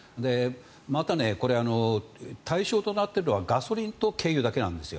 また、対象となっているのはガソリンと軽油だけなんです。